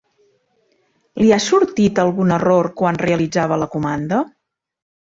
Li ha sortit algun error quan realitzava la comanda?